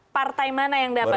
partai mana yang dapat